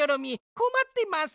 こまってます。